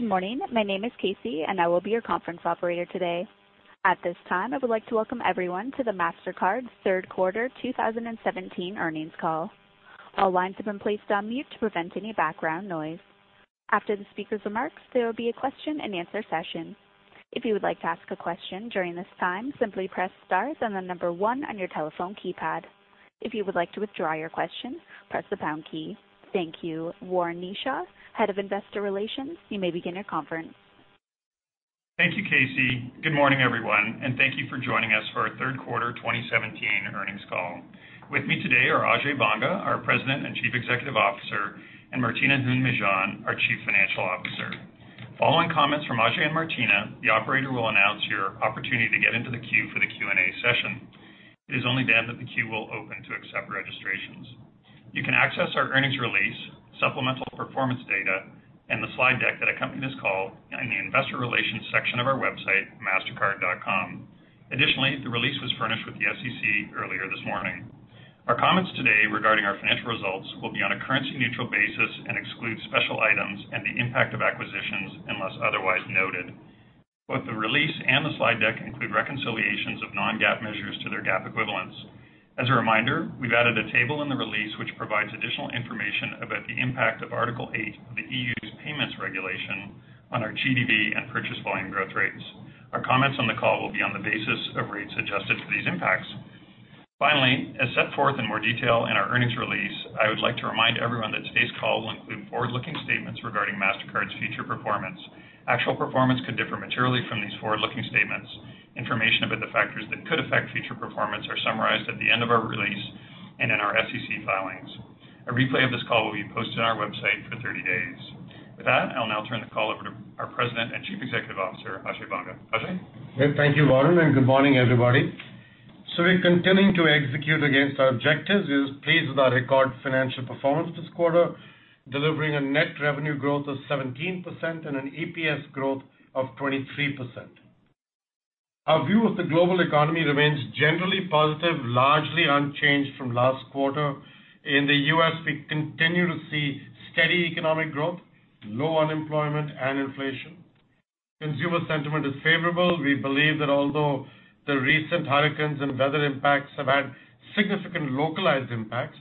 Good morning. My name is Casey, and I will be your conference operator today. At this time, I would like to welcome everyone to the Mastercard third quarter 2017 earnings call. All lines have been placed on mute to prevent any background noise. After the speaker's remarks, there will be a question-and-answer session. If you would like to ask a question during this time, simply press star then one on your telephone keypad. If you would like to withdraw your question, press the pound key. Thank you. Warren Kneeshaw, Head of Investor Relations, you may begin your conference. Thank you, Casey. Good morning, everyone, and thank you for joining us for our third quarter 2017 earnings call. With me today are Ajay Banga, our President and Chief Executive Officer, and Martina Hund-Mejean, our Chief Financial Officer. Following comments from Ajay and Martina, the operator will announce your opportunity to get into the queue for the Q&A session. It is only then that the queue will open to accept registrations. You can access our earnings release, supplemental performance data, and the slide deck that accompany this call in the investor relations section of our website, mastercard.com. Additionally, the release was furnished with the SEC earlier this morning. Our comments today regarding our financial results will be on a currency-neutral basis and exclude special items and the impact of acquisitions unless otherwise noted. Both the release and the slide deck include reconciliations of non-GAAP measures to their GAAP equivalents. As a reminder, we've added a table in the release, which provides additional information about the impact of Article 8 of the EU's payments regulation on our GDV and purchase volume growth rates. Our comments on the call will be on the basis of rates adjusted for these impacts. Finally, as set forth in more detail in our earnings release, I would like to remind everyone that today's call will include forward-looking statements regarding Mastercard's future performance. Actual performance could differ materially from these forward-looking statements. Information about the factors that could affect future performance are summarized at the end of our release and in our SEC filings. A replay of this call will be posted on our website for 30 days. With that, I'll now turn the call over to our President and Chief Executive Officer, Ajay Banga. Ajay. Thank you, Warren, and good morning, everybody. We're continuing to execute against our objectives. We're pleased with our record financial performance this quarter, delivering a net revenue growth of 17% and an EPS growth of 23%. Our view of the global economy remains generally positive, largely unchanged from last quarter. In the U.S., we continue to see steady economic growth, low unemployment, and inflation. Consumer sentiment is favorable. We believe that although the recent hurricanes and weather impacts have had significant localized impacts,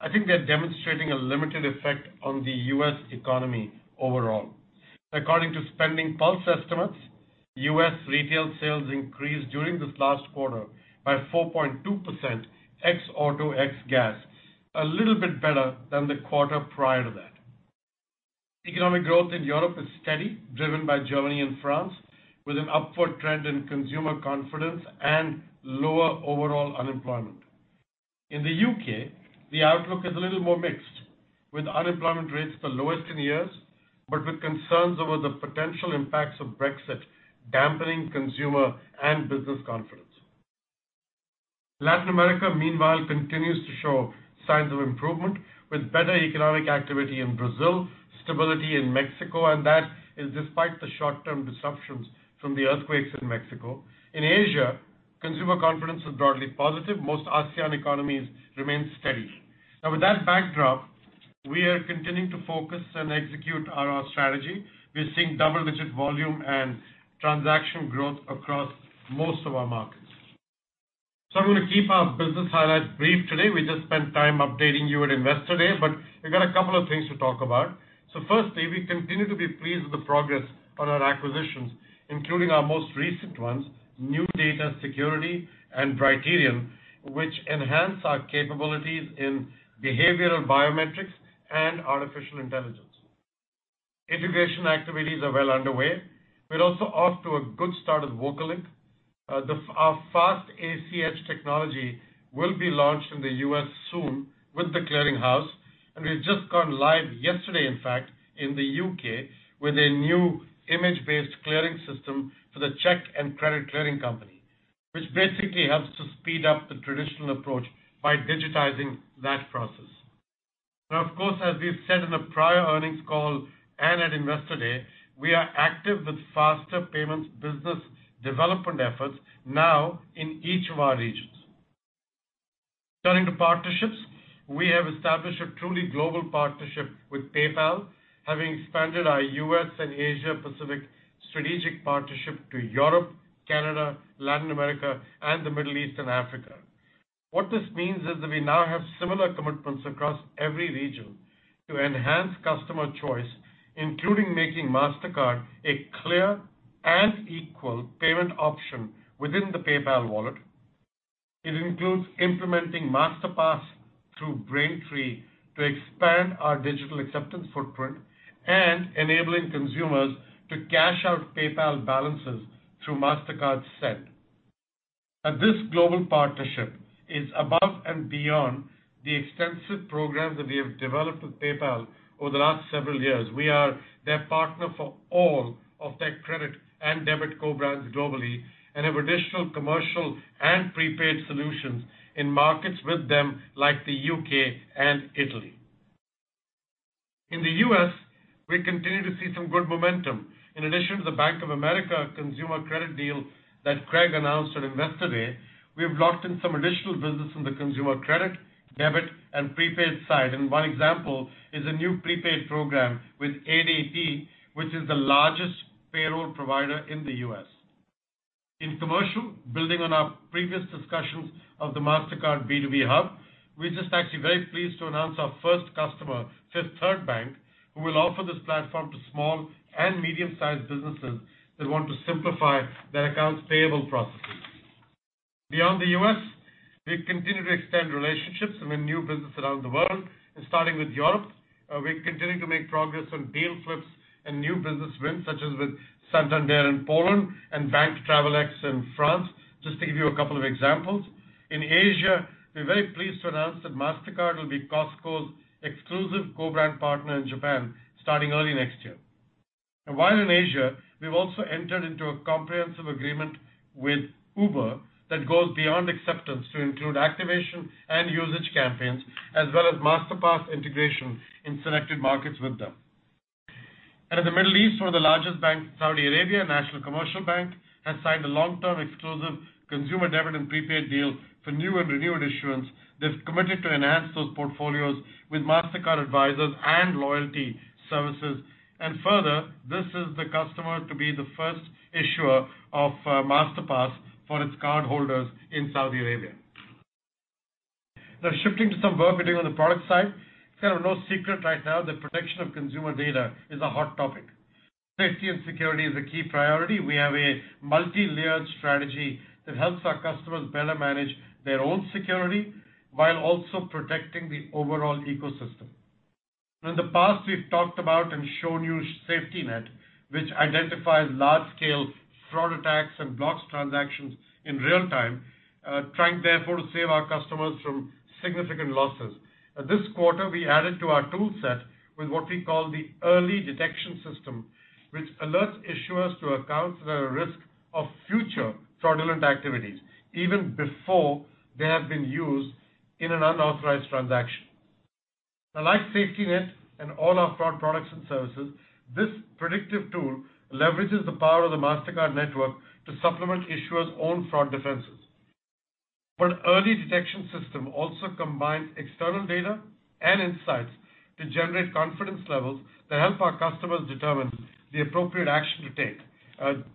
I think they're demonstrating a limited effect on the U.S. economy overall. According to SpendingPulse estimates, U.S. retail sales increased during this last quarter by 4.2% ex-auto, ex-gas, a little bit better than the quarter prior to that. Economic growth in Europe is steady, driven by Germany and France, with an upward trend in consumer confidence and lower overall unemployment. In the U.K., the outlook is a little more mixed, with unemployment rates the lowest in years, but with concerns over the potential impacts of Brexit dampening consumer and business confidence. Latin America, meanwhile, continues to show signs of improvement, with better economic activity in Brazil, stability in Mexico, and that is despite the short-term disruptions from the earthquakes in Mexico. In Asia, consumer confidence is broadly positive. Most ASEAN economies remain steady. Now, with that backdrop, we are continuing to focus and execute on our strategy. We are seeing double-digit volume and transaction growth across most of our markets. I'm going to keep our business highlights brief today. We just spent time updating you at Investor Day, but we've got a couple of things to talk about. Firstly, we continue to be pleased with the progress on our acquisitions, including our most recent ones, NuData Security and Brighterion, which enhance our capabilities in behavioral biometrics and artificial intelligence. Integration activities are well underway. We're also off to a good start with VocaLink. Our Fast ACH technology will be launched in the U.S. soon with The Clearing House, and we've just gone live yesterday, in fact, in the U.K. with a new image-based clearing system for the check and credit clearing company, which basically helps to speed up the traditional approach by digitizing that process. Now, of course, as we've said in the prior earnings call and at Investor Day, we are active with faster payments business development efforts now in each of our regions. Turning to partnerships, we have established a truly global partnership with PayPal, having expanded our U.S. and Asia Pacific strategic partnership to Europe, Canada, Latin America, and the Middle East and Africa. What this means is that we now have similar commitments across every region to enhance customer choice, including making Mastercard a clear and equal payment option within the PayPal wallet. It includes implementing Masterpass through Braintree to expand our digital acceptance footprint and enabling consumers to cash out PayPal balances through Mastercard Send. This global partnership is above and beyond the extensive programs that we have developed with PayPal over the last several years. We are their partner for all of their credit and debit co-brands globally and have additional commercial and prepaid solutions in markets with them like the U.K. and Italy. In the U.S., we continue to see some good momentum. In addition to the Bank of America consumer credit deal that Craig announced at Investor Day, we've locked in some additional business from the consumer credit, debit, and prepaid side. One example is a new prepaid program with ADP, which is the largest payroll provider in the U.S. In commercial, building on our previous discussions of the Mastercard B2B Hub, we're just actually very pleased to announce our first customer, Fifth Third Bank, who will offer this platform to small and medium-sized businesses that want to simplify their accounts payable processes. Beyond the U.S., we continue to extend relationships and win new business around the world. Starting with Europe, we're continuing to make progress on deal flips and new business wins, such as with Santander in Poland and Banque Travelex in France, just to give you a couple of examples. In Asia, we are very pleased to announce that Mastercard will be Costco's exclusive co-brand partner in Japan starting early next year. While in Asia, we have also entered into a comprehensive agreement with Uber that goes beyond acceptance to include activation and usage campaigns, as well as Masterpass integration in selected markets with them. In the Middle East, one of the largest banks in Saudi Arabia, National Commercial Bank, has signed a long-term exclusive consumer debit and prepaid deal for new and renewed issuance. They have committed to enhance those portfolios with Mastercard Advisors and loyalty services. Further, this is the customer to be the first issuer of Masterpass for its cardholders in Saudi Arabia. Now, shifting to some work we are doing on the product side. It is kind of no secret right now that protection of consumer data is a hot topic. Safety and security is a key priority. We have a multi-layered strategy that helps our customers better manage their own security while also protecting the overall ecosystem. In the past, we have talked about and shown you SafetyNet, which identifies large-scale fraud attacks and blocks transactions in real-time, trying therefore to save our customers from significant losses. This quarter, we added to our tool set with what we call the Early Detection System, which alerts issuers to accounts that are at risk of future fraudulent activities even before they have been used in an unauthorized transaction. Like SafetyNet and all our fraud products and services, this predictive tool leverages the power of the Mastercard network to supplement issuers' own fraud defenses. Early Detection System also combines external data and insights to generate confidence levels that help our customers determine the appropriate action to take.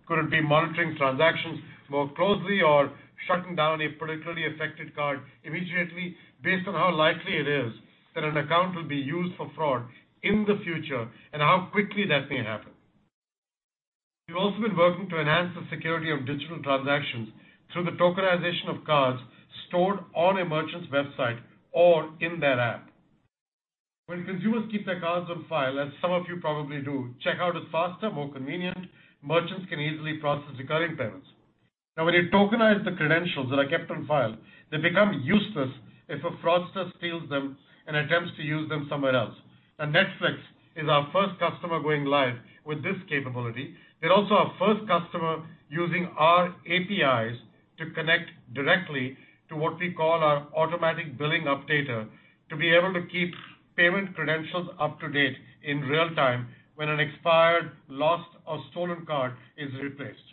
Could it be monitoring transactions more closely or shutting down a particularly affected card immediately based on how likely it is that an account will be used for fraud in the future and how quickly that may happen? We have also been working to enhance the security of digital transactions through the tokenization of cards stored on a merchant's website or in their app. When consumers keep their cards on file, as some of you probably do, checkout is faster, more convenient. Merchants can easily process recurring payments. When you tokenize the credentials that are kept on file, they become useless if a fraudster steals them and attempts to use them somewhere else. Netflix is our first customer going live with this capability. They are also our first customer using our APIs to connect directly to what we call our automatic billing updater to be able to keep payment credentials up to date in real time when an expired, lost, or stolen card is replaced.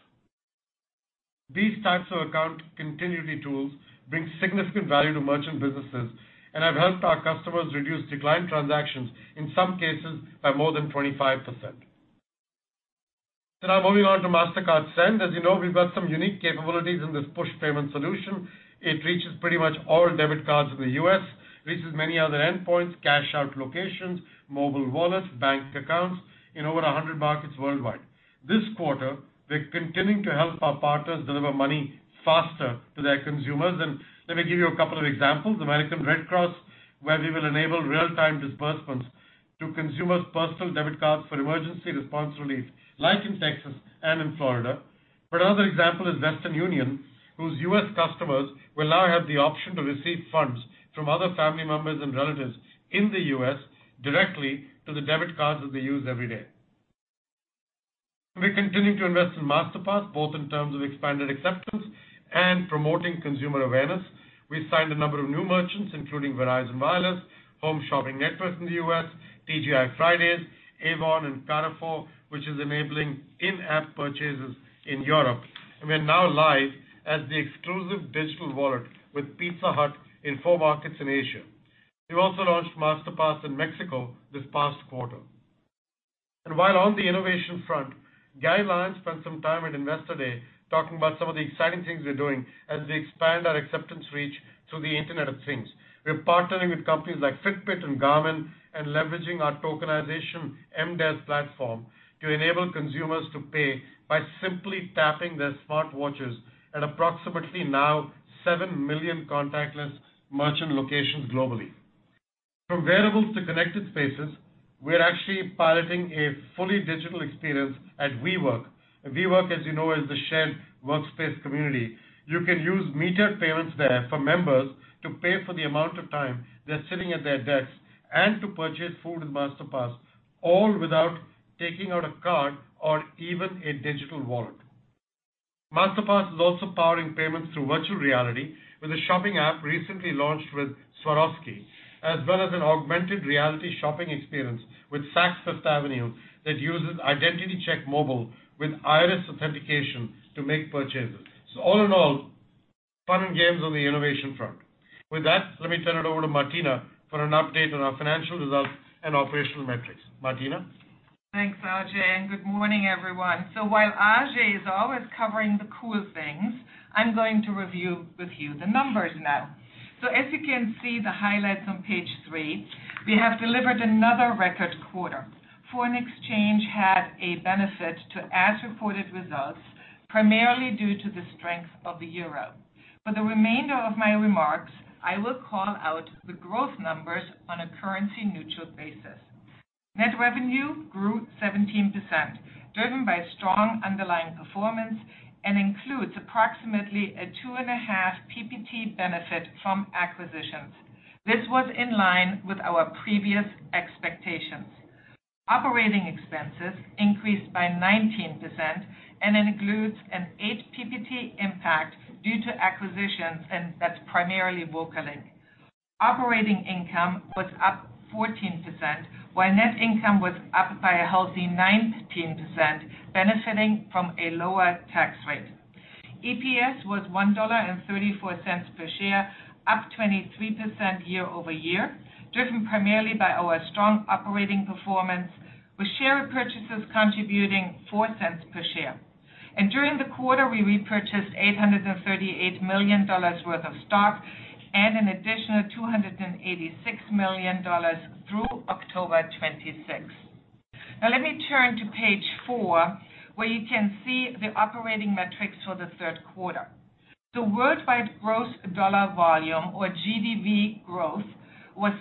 These types of account continuity tools bring significant value to merchant businesses and have helped our customers reduce declined transactions, in some cases, by more than 25%. Now moving on to Mastercard Send. As you know, we have got some unique capabilities in this push payment solution. It reaches pretty much all debit cards in the U.S., reaches many other endpoints, cash-out locations, mobile wallets, bank accounts in over 100 markets worldwide. This quarter, we are continuing to help our partners deliver money faster to their consumers, and let me give you a couple of examples. American Red Cross, where we will enable real-time disbursements to consumers' personal debit cards for emergency response relief, like in Texas and in Florida. Another example is Western Union, whose U.S. customers will now have the option to receive funds from other family members and relatives in the U.S. directly to the debit cards that they use every day. We're continuing to invest in Masterpass, both in terms of expanded acceptance and promoting consumer awareness. We signed a number of new merchants, including Verizon Wireless, Home Shopping Network in the U.S., TGI Fridays, Avon, and Carrefour, which is enabling in-app purchases in Europe. We're now live as the exclusive digital wallet with Pizza Hut in four markets in Asia. We also launched Masterpass in Mexico this past quarter. While on the innovation front, Garry Lyons spent some time at Investor Day talking about some of the exciting things we're doing as we expand our acceptance reach through the Internet of Things. We're partnering with companies like Fitbit and Garmin and leveraging our tokenization MDES platform to enable consumers to pay by simply tapping their smartwatches at approximately 7 million contactless merchant locations globally. From wearables to connected spaces, we're actually piloting a fully digital experience at WeWork. WeWork, as you know, is the shared workspace community. You can use metered payments there for members to pay for the amount of time they're sitting at their desks and to purchase food with Masterpass, all without taking out a card or even a digital wallet. Masterpass is also powering payments through virtual reality with a shopping app recently launched with Swarovski, as well as an augmented reality shopping experience with Saks Fifth Avenue that uses Identity Check Mobile with iris authentication to make purchases. All in all, fun and games on the innovation front. With that, let me turn it over to Martina for an update on our financial results and operational metrics. Martina? Thanks, Ajay, and good morning, everyone. While Ajay is always covering the cool things, I'm going to review with you the numbers now. As you can see the highlights on page three, we have delivered another record quarter. Foreign exchange had a benefit to as-reported results, primarily due to the strength of the euro. For the remainder of my remarks, I will call out the growth numbers on a currency-neutral basis. Net revenue grew 17%, driven by strong underlying performance and includes approximately a two and a half PPT benefit from acquisitions. This was in line with our previous expectations. Operating expenses increased by 19% and includes an eight PPT impact due to acquisitions, and that's primarily VocaLink. Operating income was up 14%, while net income was up by a healthy 19%, benefiting from a lower tax rate. EPS was $1.34 per share, up 23% year-over-year, driven primarily by our strong operating performance, with share repurchases contributing $0.04 per share. During the quarter, we repurchased $838 million worth of stock and an additional $286 million through October 26th. Let me turn to page five, where you can see the operating metrics for the third quarter. The worldwide gross dollar volume or GDV growth was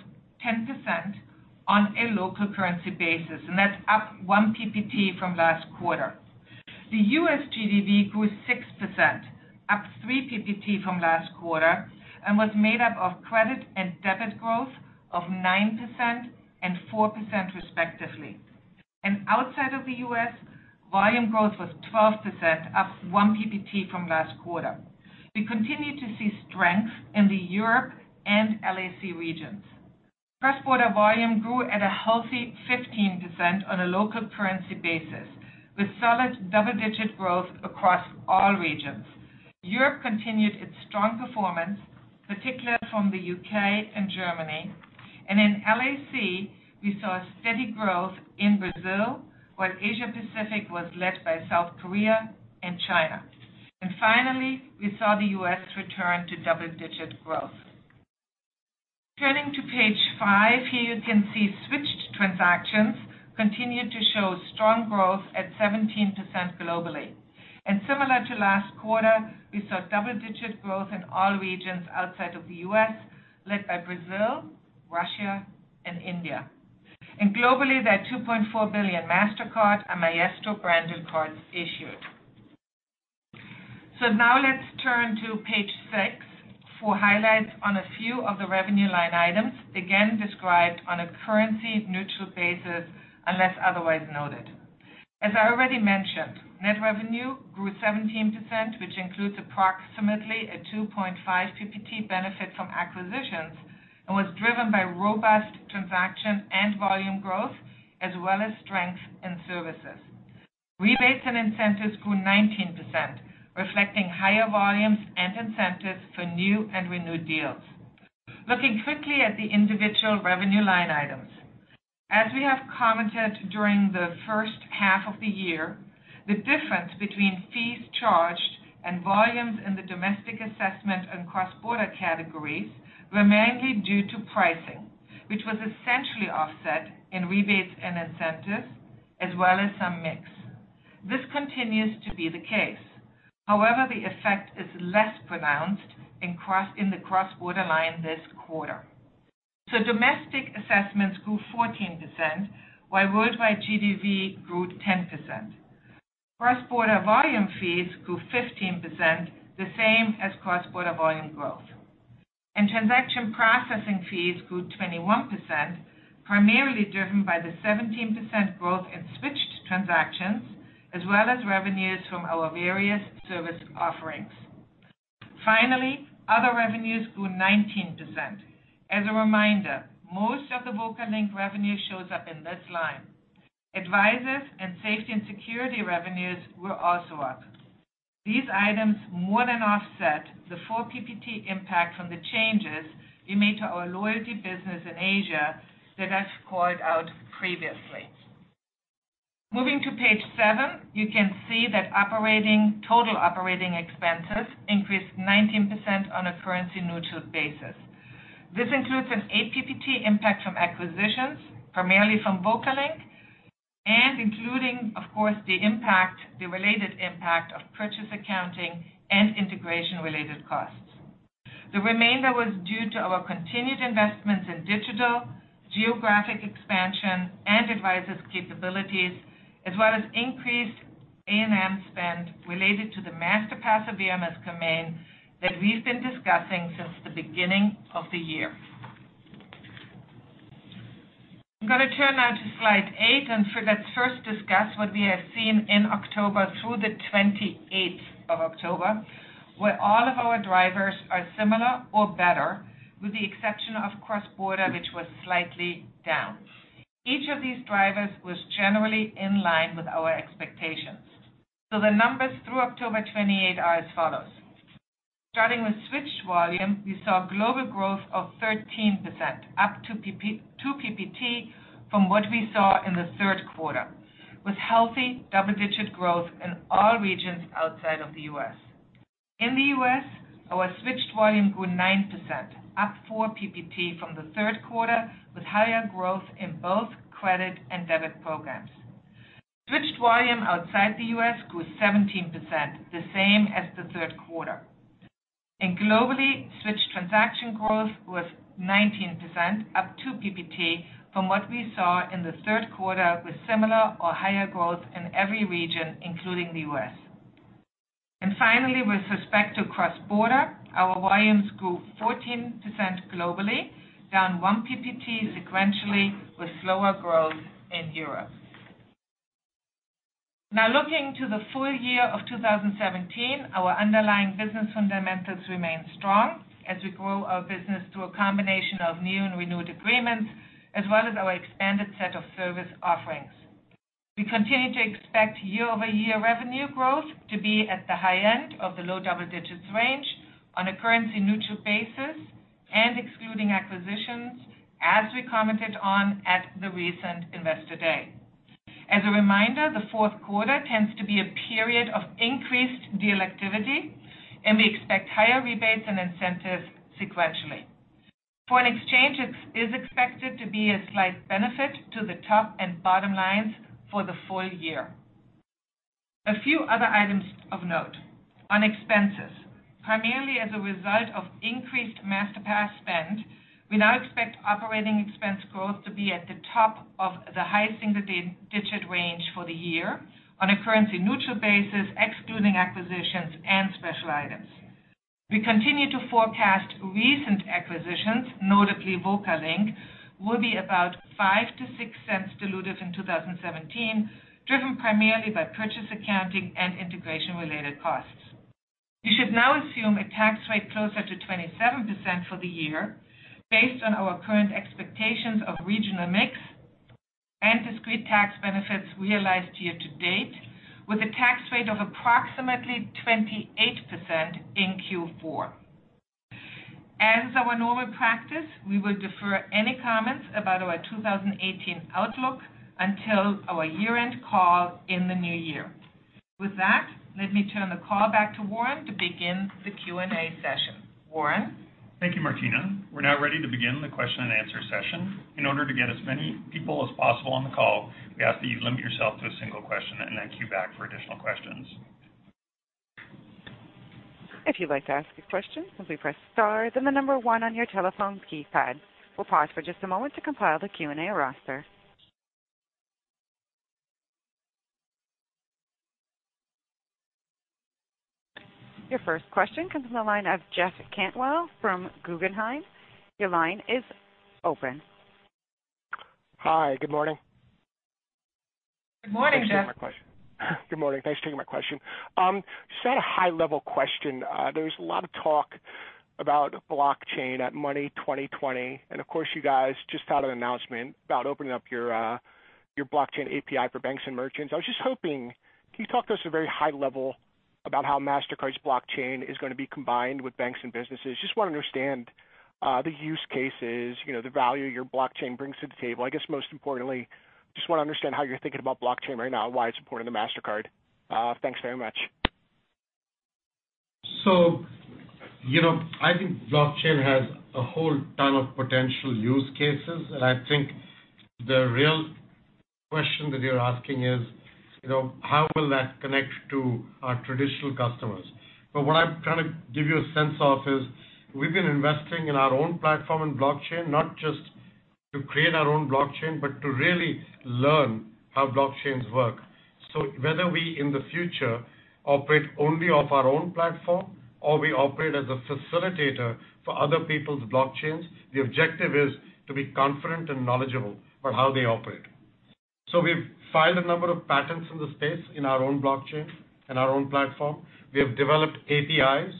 10% on a local currency basis, that's up one PPT from last quarter. The U.S. GDV grew 6%, up three PPT from last quarter, and was made up of credit and debit growth of 9% and 4%, respectively. Outside of the U.S., volume growth was 12%, up one PPT from last quarter. We continue to see strength in the Europe and LAC regions. Cross-border volume grew at a healthy 15% on a local currency basis, with solid double-digit growth across all regions. Europe continued its strong performance, particularly from the U.K. and Germany. In LAC, we saw steady growth in Brazil, while Asia-Pacific was led by South Korea and China. Finally, we saw the U.S. return to double-digit growth. Turning to page five, here you can see switched transactions continued to show strong growth at 17% globally. Similar to last quarter, we saw double-digit growth in all regions outside of the U.S., led by Brazil, Russia, and India. Globally, there are 2.4 billion Mastercard and Maestro branded cards issued. Let's turn to page six for highlights on a few of the revenue line items, again described on a currency-neutral basis unless otherwise noted. As I already mentioned, net revenue grew 17%, which includes approximately a 2.5 PPT benefit from acquisitions and was driven by robust transaction and volume growth, as well as strength in services. Rebates and incentives grew 19%, reflecting higher volumes and incentives for new and renewed deals. Looking quickly at the individual revenue line items. As we have commented during the first half of the year, the difference between fees charged and volumes in the domestic assessment and cross-border categories were mainly due to pricing, which was essentially offset in rebates and incentives, as well as some mix. This continues to be the case. However, the effect is less pronounced in the cross-border line this quarter. Domestic assessments grew 14%, while worldwide GDV grew 10%. Cross-border volume fees grew 15%, the same as cross-border volume growth. Transaction processing fees grew 21%, primarily driven by the 17% growth in switched transactions, as well as revenues from our various service offerings. Finally, other revenues grew 19%. As a reminder, most of the VocaLink revenue shows up in this line. Advisors and safety and security revenues were also up. These items more than offset the four PPT impact from the changes we made to our loyalty business in Asia that I've called out previously. Moving to page seven, you can see that total operating expenses increased 19% on a currency-neutral basis. This includes an eight PPT impact from acquisitions, primarily from VocaLink and including, of course, the related impact of purchase accounting and integration-related costs. The remainder was due to our continued investments in digital, geographic expansion, and Advisors' capabilities, as well as increased A&M spend related to the Masterpass and VocaLink that we've been discussing since the beginning of the year. I am going to turn now to slide eight. Let's first discuss what we have seen in October through the 28th of October, where all of our drivers are similar or better with the exception of cross-border, which was slightly down. Each of these drivers was generally in line with our expectations. The numbers through October 28 are as follows. Starting with switched volume, we saw global growth of 13%, up two PPT from what we saw in the third quarter, with healthy double-digit growth in all regions outside of the U.S. In the U.S., our switched volume grew 9%, up four PPT from the third quarter, with higher growth in both credit and debit programs. Switched volume outside the U.S. grew 17%, the same as the third quarter. Globally, switched transaction growth was 19%, up two PPT from what we saw in the third quarter with similar or higher growth in every region, including the U.S. Finally, with respect to cross-border, our volumes grew 14% globally, down one PPT sequentially with slower growth in Europe. Looking to the full year of 2017, our underlying business fundamentals remain strong as we grow our business through a combination of new and renewed agreements, as well as our expanded set of service offerings. We continue to expect year-over-year revenue growth to be at the high end of the low double digits range on a currency-neutral basis and excluding acquisitions, as we commented on at the recent Investor Day. As a reminder, the fourth quarter tends to be a period of increased deal activity, and we expect higher rebates and incentives sequentially. Foreign exchange is expected to be a slight benefit to the top and bottom lines for the full year. A few other items of note. On expenses, primarily as a result of increased Masterpass spend, we now expect operating expense growth to be at the top of the high single digit range for the year on a currency-neutral basis, excluding acquisitions and special items. We continue to forecast recent acquisitions, notably VocaLink, will be about $0.05-$0.06 dilutive in 2017, driven primarily by purchase accounting and integration-related costs. You should now assume a tax rate closer to 27% for the year based on our current expectations of regional mix and discrete tax benefits realized year-to-date, with a tax rate of approximately 28% in Q4. As our normal practice, we will defer any comments about our 2018 outlook until our year-end call in the new year. With that, let me turn the call back to Warren to begin the Q&A session. Warren? Thank you, Martina. We're now ready to begin the question and answer session. In order to get as many people as possible on the call, we ask that you limit yourself to a single question and then queue back for additional questions. If you'd like to ask a question, simply press star, then the number one on your telephone keypad. We'll pause for just a moment to compile the Q&A roster. Your first question comes from the line of Jeff Cantwell from Guggenheim. Your line is open. Hi, good morning. Good morning, Jeff. Thanks for taking my question. At a high level question, there's a lot of talk about blockchain at Money20/20, and of course, you guys just had an announcement about opening up your blockchain API for banks and merchants. Can you talk to us at a very high level about how Mastercard's blockchain is going to be combined with banks and businesses? Want to understand the use cases, the value your blockchain brings to the table. Most importantly, want to understand how you're thinking about blockchain right now and why it's important to Mastercard. Thanks very much. I think blockchain has a whole ton of potential use cases, and I think the real question that you're asking is how will that connect to our traditional customers? What I'm trying to give you a sense of is we've been investing in our own platform in blockchain, not just to create our own blockchain, but to really learn how blockchains work. Whether we, in the future, operate only off our own platform or we operate as a facilitator for other people's blockchains, the objective is to be confident and knowledgeable about how they operate. We've filed a number of patents in the space in our own blockchain and our own platform. We have developed APIs,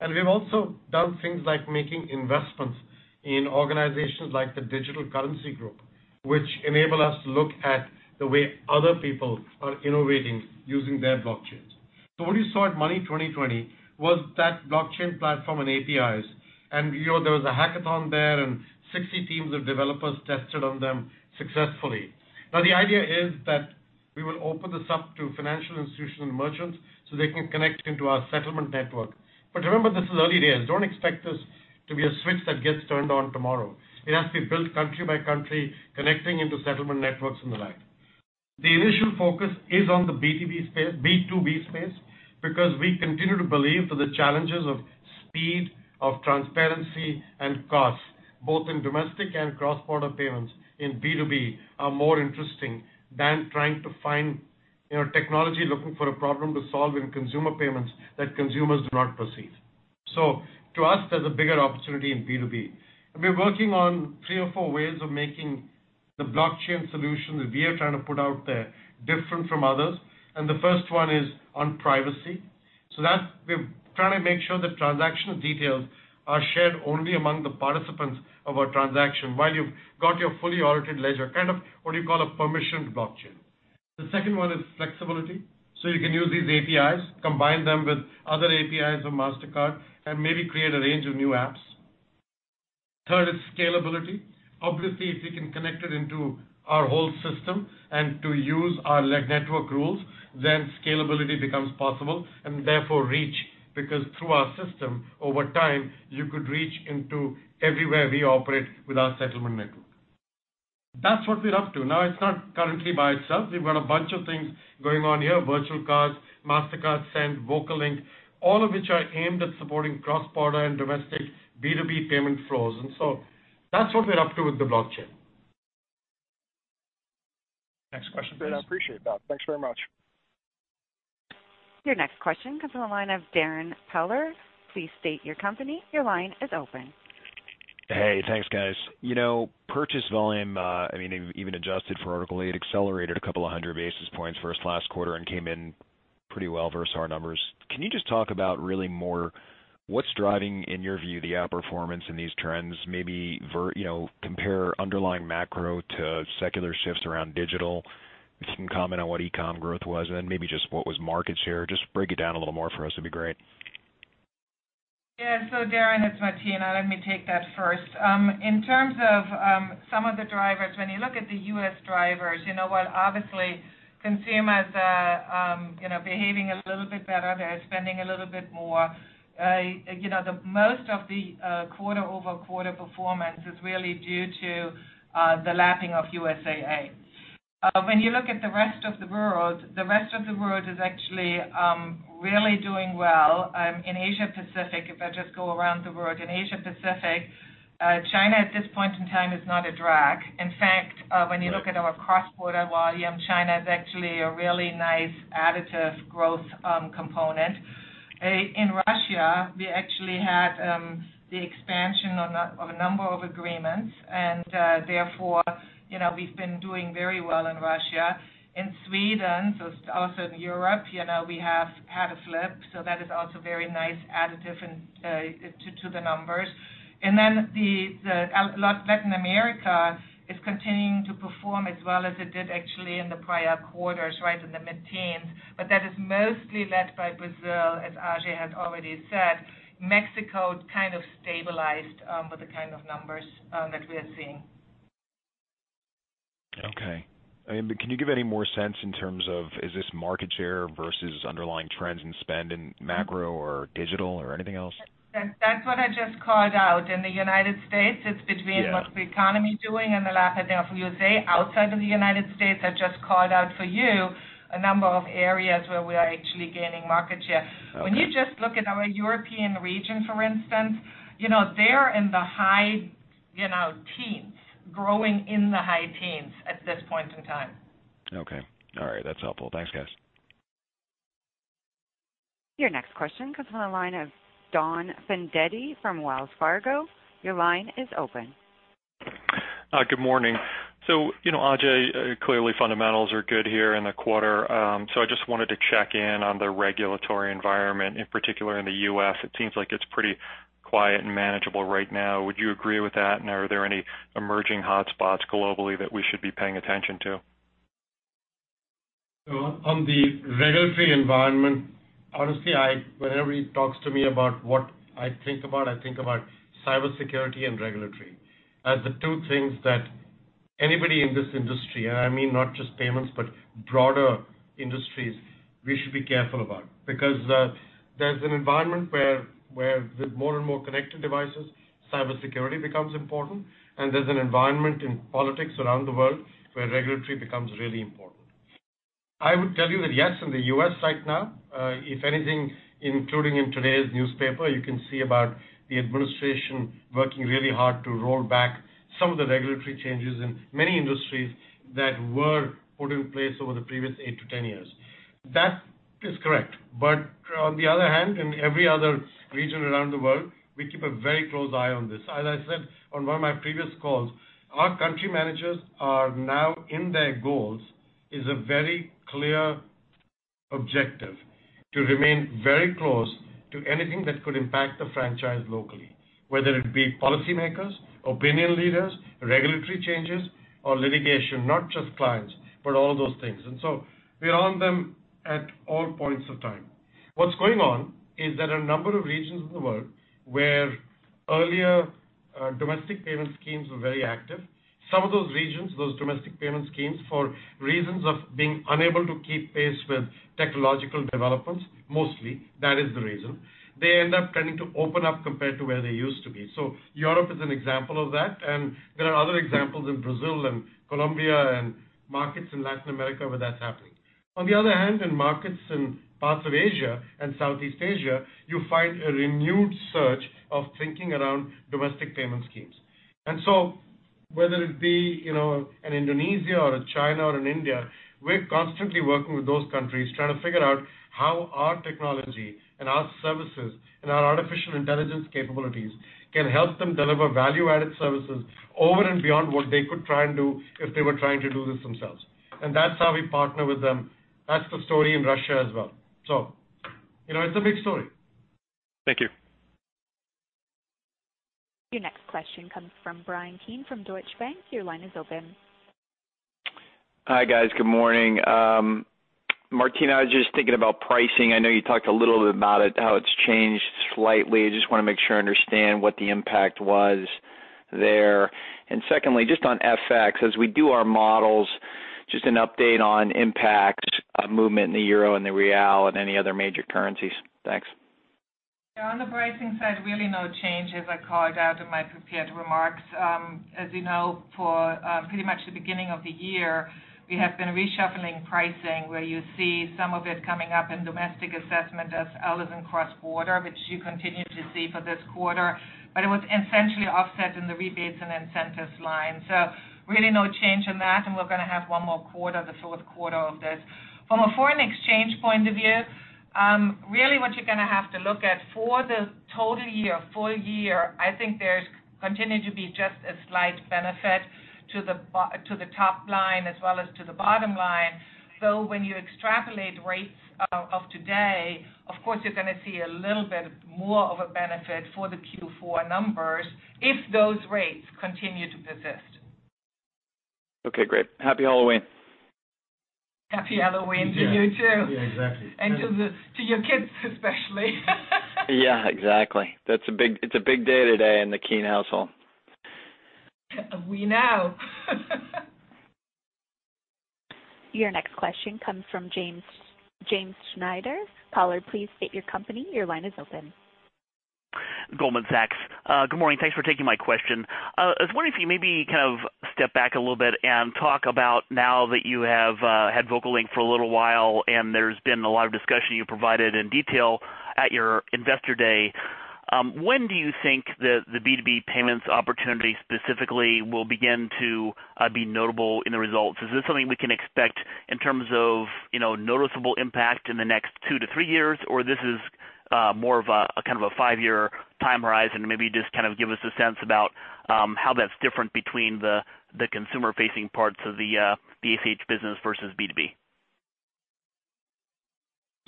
and we've also done things like making investments in organizations like the Digital Currency Group, which enable us to look at the way other people are innovating using their blockchains. What you saw at Money20/20 was that blockchain platform and APIs, and there was a hackathon there and 60 teams of developers tested on them successfully. The idea is that we will open this up to financial institutions and merchants so they can connect into our settlement network. Remember, this is early days. Don't expect this to be a switch that gets turned on tomorrow. It has to be built country by country, connecting into settlement networks and the like. The initial focus is on the B2B space because we continue to believe for the challenges of speed, of transparency, and cost, both in domestic and cross-border payments in B2B are more interesting than trying to find technology looking for a problem to solve in consumer payments that consumers do not perceive. To us, there's a bigger opportunity in B2B. We're working on three or four ways of making the blockchain solution that we are trying to put out there different from others, and the first one is on privacy. We're trying to make sure the transactional details are shared only among the participants of our transaction while you've got your fully audited ledger, kind of what you call a permissioned blockchain. The second one is flexibility. You can use these APIs, combine them with other APIs of Mastercard, and maybe create a range of new apps. Third is scalability. Obviously, if we can connect it into our whole system and to use our network rules, then scalability becomes possible, and therefore reach, because through our system, over time, you could reach into everywhere we operate with our settlement network. That's what we're up to. It's not currently by itself. We've got a bunch of things going on here, virtual cards, Mastercard Send, VocaLink, all of which are aimed at supporting cross-border and domestic B2B payment flows. That's what we're up to with the blockchain. Next question, please. Great. I appreciate that. Thanks very much. Your next question comes from the line of Darrin Peller. Please state your company. Your line is open. Hey, thanks, guys. Purchase volume, even adjusted for vertical, it accelerated a couple of hundred basis points versus last quarter and came in pretty well versus our numbers. Can you just talk about really more what's driving, in your view, the outperformance in these trends, maybe compare underlying macro to secular shifts around digital? If you can comment on what e-com growth was and then maybe just what was market share. Just break it down a little more for us, it'd be great. Yeah. Darrin, it's Martina. Let me take that first. In terms of some of the drivers, when you look at the U.S. drivers, while obviously consumers are behaving a little bit better, they're spending a little bit more. Most of the quarter-over-quarter performance is really due to the lapping of USAA. When you look at the rest of the world, the rest of the world is actually really doing well. In Asia Pacific, if I just go around the world, in Asia Pacific, China at this point in time is not a drag. In fact, when you look at our cross-border volume, China is actually a really nice additive growth component. In Russia, we actually had the expansion of a number of agreements, and therefore we've been doing very well in Russia. In Sweden, also in Europe, we have had a flip, that is also very nice additive to the numbers. Latin America is continuing to perform as well as it did actually in the prior quarters, right in the mid-teens. That is mostly led by Brazil, as Ajay has already said. Mexico kind of stabilized with the kind of numbers that we are seeing. Okay. Can you give any more sense in terms of, is this market share versus underlying trends in spend in macro or digital or anything else? That's what I just called out. In the U.S. Yeah it's between what the economy doing and the lap of USAA. Outside of the United States, I just called out for you a number of areas where we are actually gaining market share. Okay. When you just look at our European region, for instance, they're in the high teens, growing in the high teens at this point in time. Okay. All right. That's helpful. Thanks, guys. Your next question comes from the line of Donald Fandetti from Wells Fargo. Your line is open. Good morning. Ajay, clearly fundamentals are good here in the quarter. I just wanted to check in on the regulatory environment, in particular in the U.S. It seems like it's pretty quiet and manageable right now. Would you agree with that? Are there any emerging hotspots globally that we should be paying attention to? On the regulatory environment, honestly, whenever he talks to me about what I think about, I think about cybersecurity and regulatory as the two things that anybody in this industry, and I mean not just payments, but broader industries, we should be careful about. Because there's an environment where with more and more connected devices, cybersecurity becomes important, and there's an environment in politics around the world where regulatory becomes really important. I would tell you that yes, in the U.S. right now, if anything, including in today's newspaper, you can see about the administration working really hard to roll back some of the regulatory changes in many industries that were put in place over the previous 8 to 10 years. That is correct. On the other hand, in every other region around the world, we keep a very close eye on this. As I said on one of my previous calls, our country managers are now in their goals, is a very clear objective to remain very close to anything that could impact the franchise locally, whether it be policymakers, opinion leaders, regulatory changes, or litigation, not just clients, but all those things. We're on them at all points of time. What's going on is that a number of regions in the world where earlier domestic payment schemes were very active. Some of those regions, those domestic payment schemes, for reasons of being unable to keep pace with technological developments, mostly that is the reason, they end up tending to open up compared to where they used to be. Europe is an example of that, and there are other examples in Brazil and Colombia and markets in Latin America where that's happening. On the other hand, in markets in parts of Asia and Southeast Asia, you find a renewed search of thinking around domestic payment schemes. Whether it be an Indonesia or a China or an India, we're constantly working with those countries trying to figure out how our technology and our services and our artificial intelligence capabilities can help them deliver value-added services over and beyond what they could try and do if they were trying to do this themselves. That's how we partner with them. That's the story in Russia as well. It's a big story. Thank you. Your next question comes from Bryan Keane from Deutsche Bank. Your line is open. Hi, guys. Good morning. Martina, I was just thinking about pricing. I know you talked a little bit about it, how it's changed slightly. I just want to make sure I understand what the impact was there. Secondly, just on FX, as we do our models, just an update on impact of movement in the euro and the real and any other major currencies. Thanks. On the pricing side, really no change as I called out in my prepared remarks. As you know, for pretty much the beginning of the year, we have been reshuffling pricing, where you see some of it coming up in domestic assessment as well as in cross-border, which you continue to see for this quarter. It was essentially offset in the rebates and incentives line. Really no change in that, and we're going to have one more quarter, the fourth quarter of this. From a foreign exchange point of view, really what you're going to have to look at for the total year, full year, I think there's continued to be just a slight benefit to the top line as well as to the bottom line. When you extrapolate rates of today, of course, you're going to see a little bit more of a benefit for the Q4 numbers if those rates continue to persist. Okay, great. Happy Halloween. Happy Halloween to you too. Yeah, exactly. To your kids, especially. Yeah, exactly. It's a big day today in the Keane household. We know. Your next question comes from James Schneider. Caller, please state your company. Your line is open. Goldman Sachs. Good morning. Thanks for taking my question. I was wondering if you maybe kind of step back a little bit and talk about now that you have had VocaLink for a little while, and there's been a lot of discussion you provided in detail at your investor day. When do you think that the B2B payments opportunity specifically will begin to be notable in the results? Is this something we can expect in terms of noticeable impact in the next two to three years? Or this is more of a kind of a five-year time horizon? Maybe just kind of give us a sense about how that's different between the consumer-facing parts of the ACH business versus B2B.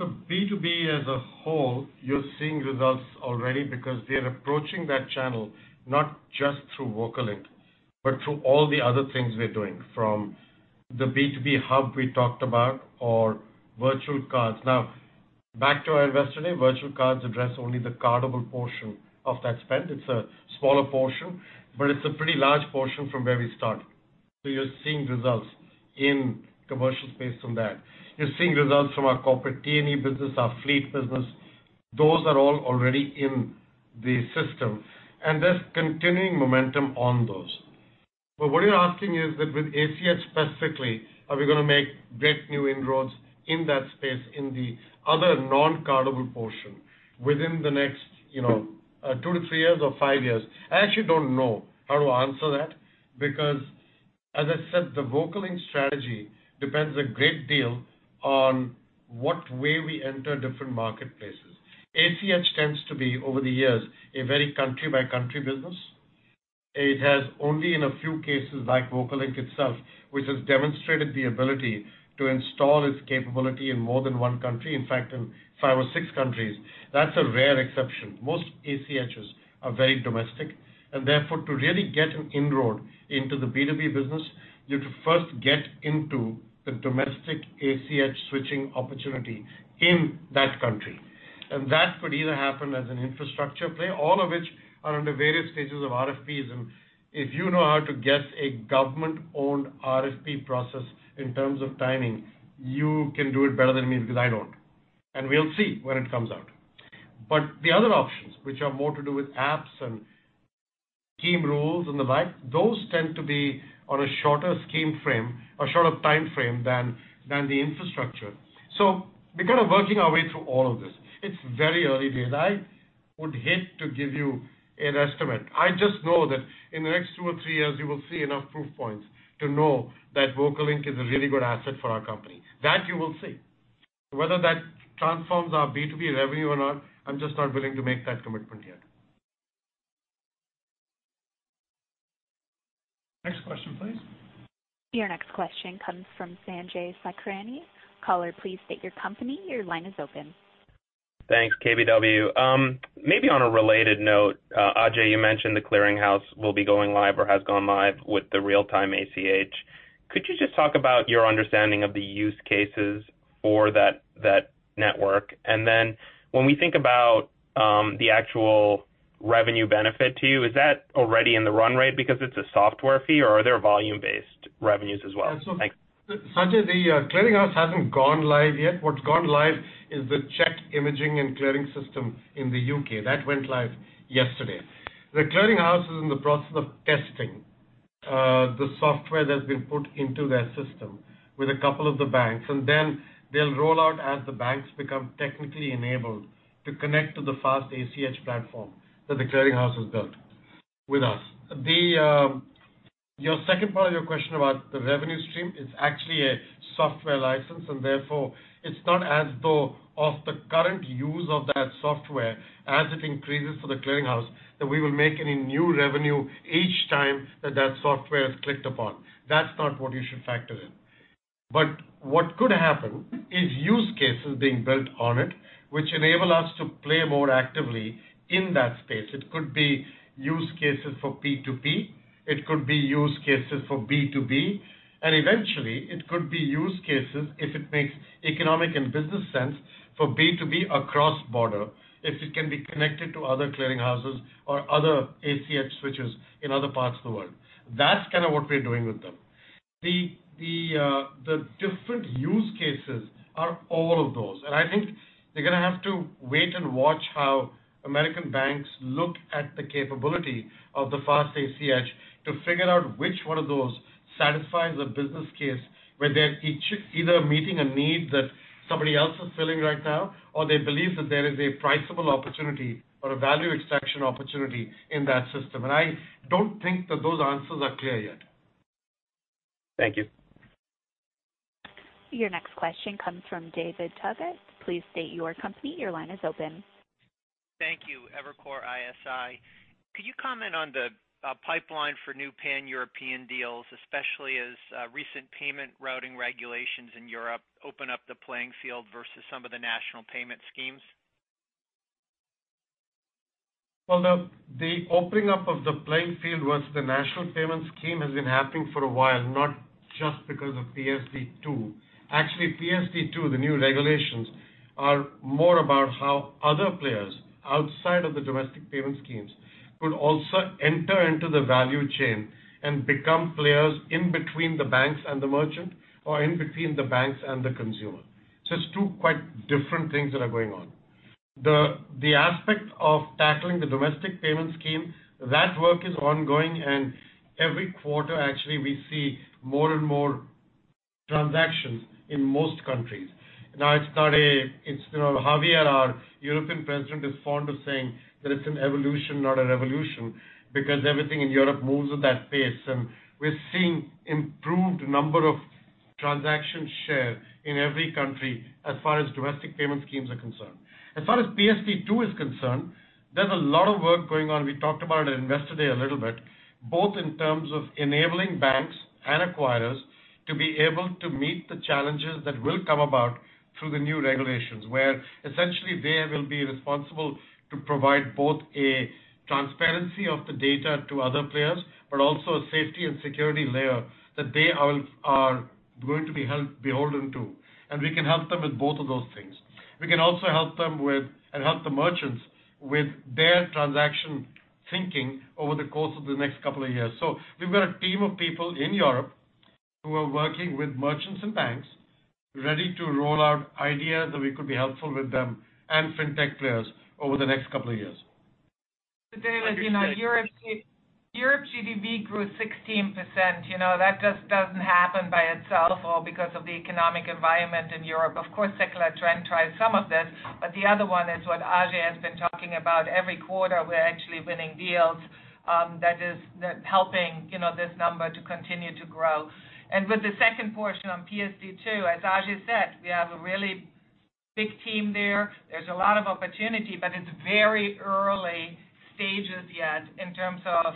B2B as a whole, you're seeing results already because they're approaching that channel not just through VocaLink, but through all the other things we are doing, from the B2B Hub we talked about or virtual cards. Back to our investor day, virtual cards address only the cardable portion of that spend. It's a smaller portion, but it's a pretty large portion from where we started. You're seeing results in commercials based on that. You're seeing results from our corporate T&E business, our fleet business. Those are all already in the system, and there's continuing momentum on those. What you're asking is that with ACH specifically, are we going to make great new inroads in that space in the other non-cardable portion within the next two to three years or five years? I actually don't know how to answer that because, as I said, the VocaLink strategy depends a great deal on what way we enter different marketplaces. ACH tends to be, over the years, a very country-by-country business. It has only in a few cases like VocaLink itself, which has demonstrated the ability to install its capability in more than one country, in fact, in five or six countries. That's a rare exception. Most ACHs are very domestic, and therefore, to really get an inroad into the B2B business, you have to first get into the domestic ACH switching opportunity in that country. That could either happen as an infrastructure play, all of which are under various stages of RFPs. If you know how to get a government-owned RFP process in terms of timing, you can do it better than me because I don't. We'll see when it comes out. The other options, which are more to do with apps and scheme rules and the like, those tend to be on a shorter scheme frame or shorter time frame than the infrastructure. We're kind of working our way through all of this. It's very early days. I would hate to give you an estimate. I just know that in the next two or three years, you will see enough proof points to know that VocaLink is a really good asset for our company. That you will see. Whether that transforms our B2B revenue or not, I'm just not willing to make that commitment yet. Next question, please. Your next question comes from Sanjay Sakhrani. Caller, please state your company. Your line is open. Thanks. KBW. Maybe on a related note, Ajay, you mentioned The Clearing House will be going live or has gone live with the real-time ACH. Could you just talk about your understanding of the use cases for that network? Then when we think about the actual revenue benefit to you, is that already in the run rate because it's a software fee, or are there volume-based revenues as well? Thanks. Sanjay, The Clearing House hasn't gone live yet. What's gone live is the check imaging and clearing system in the U.K. That went live yesterday. The Clearing House is in the process of testing the software that's been put into their system with a couple of the banks, and then they'll roll out as the banks become technically enabled to connect to the RTP network platform that The Clearing House has built with us. Your second part of your question about the revenue stream, it's actually a software license, and therefore it's not as though of the current use of that software, as it increases for The Clearing House, that we will make any new revenue each time that software is clicked upon. That's not what you should factor in. What could happen is use cases being built on it, which enable us to play more actively in that space. It could be use cases for P2P, it could be use cases for B2B, and eventually, it could be use cases if it makes economic and business sense for B2B across border, if it can be connected to other clearing houses or other ACH switches in other parts of the world. That's kind of what we're doing with them. The different use cases are all of those. I think they're going to have to wait and watch how American banks look at the capability of the RTP network to figure out which one of those satisfies a business case where they're either meeting a need that somebody else is filling right now, or they believe that there is a priceable opportunity or a value extraction opportunity in that system. I don't think that those answers are clear yet. Thank you. Your next question comes from David Togut. Please state your company. Your line is open. Thank you. Evercore ISI. Could you comment on the pipeline for new Pan-European deals, especially as recent payment routing regulations in Europe open up the playing field versus some of the national payment schemes? Well, the opening up of the playing field versus the national payment scheme has been happening for a while, not just because of PSD2. Actually, PSD2, the new regulations, are more about how other players outside of the domestic payment schemes could also enter into the value chain and become players in between the banks and the merchant or in between the banks and the consumer. It's two quite different things that are going on. The aspect of tackling the domestic payment scheme, that work is ongoing, and every quarter, actually, we see more and more transactions in most countries. It's not a Javier, our European President, is fond of saying that it's an evolution, not a revolution, because everything in Europe moves at that pace. We're seeing improved number of transaction share in every country as far as domestic payment schemes are concerned. As far as PSD2 is concerned, there's a lot of work going on. We talked about it at Investor Day a little bit, both in terms of enabling banks and acquirers to be able to meet the challenges that will come about through the new regulations, where essentially they will be responsible to provide both a transparency of the data to other players, but also a safety and security layer that they are going to be held beholden to. We can help them with both of those things. We can also help them with, and help the merchants with their transaction thinking over the course of the next couple of years. We've got a team of people in Europe who are working with merchants and banks ready to roll out ideas that we could be helpful with them and fintech players over the next couple of years. David, Europe GDV grew 16%. That just doesn't happen by itself or because of the economic environment in Europe. Of course, secular trend drives some of this, but the other one is what Ajay has been talking about. Every quarter, we're actually winning deals that is helping this number to continue to grow. With the second portion on PSD2, as Ajay said, we have a really big team there. There's a lot of opportunity, but it's very early stages yet in terms of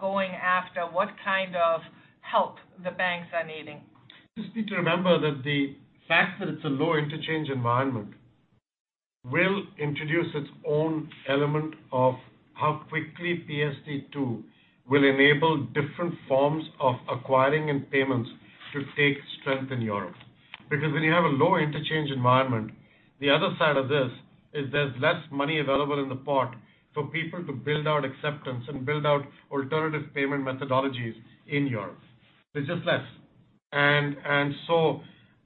going after what kind of help the banks are needing. Just need to remember that the fact that it's a low interchange environment will introduce its own element of how quickly PSD2 will enable different forms of acquiring and payments to take strength in Europe. When you have a low interchange environment, the other side of this is there's less money available in the pot for people to build out acceptance and build out alternative payment methodologies in Europe. There's just less.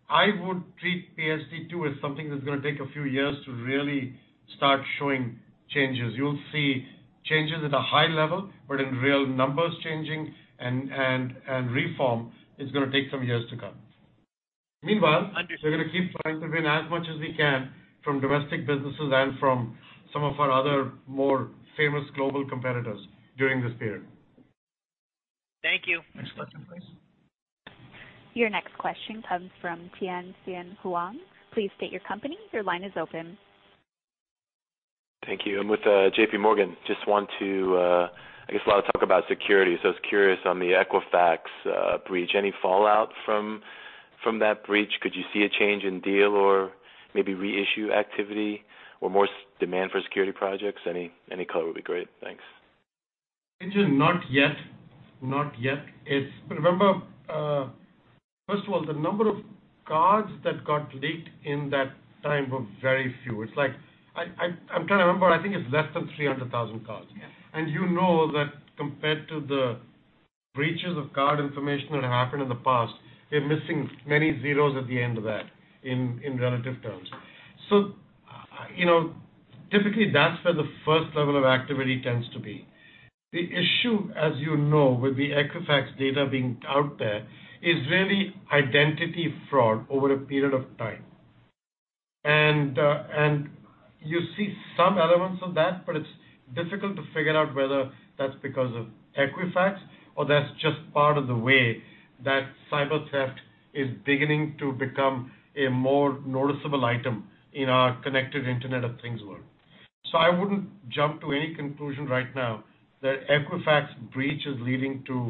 I would treat PSD2 as something that's going to take a few years to really start showing changes. You'll see changes at a high level, but in real numbers changing and reform, it's going to take some years to come. Meanwhile. Understood We're going to keep trying to win as much as we can from domestic businesses and from some of our other more famous global competitors during this period. Thank you. Next question, please. Your next question comes from Tien-tsin Huang. Please state your company. Your line is open. Thank you. I'm with JPMorgan. I guess a lot of talk about security, I was curious on the Equifax breach. Any fallout from that breach? Could you see a change in deal or maybe reissue activity or more demand for security projects? Any color would be great. Thanks. Tien, not yet. Remember, first of all, the number of cards that got leaked in that time were very few. I'm trying to remember. I think it's less than 300,000 cards. Yeah. You know that compared to the breaches of card information that happened in the past, you're missing many zeros at the end of that in relative terms. Typically, that's where the first level of activity tends to be. The issue, as you know, with the Equifax data being out there is really identity fraud over a period of time. You see some elements of that, but it's difficult to figure out whether that's because of Equifax or that's just part of the way that cyber theft is beginning to become a more noticeable item in our connected Internet of things world. I wouldn't jump to any conclusion right now that Equifax breach is leading to